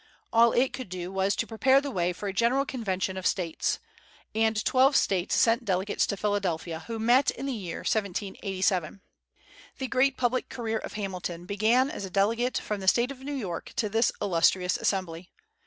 All it could do was to prepare the way for a general convention of States; and twelve States sent delegates to Philadelphia, who met in the year 1787. The great public career of Hamilton began as a delegate from the State of New York to this illustrious assembly.